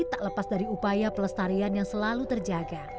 tak lepas dari upaya pelestarian yang selalu terjaga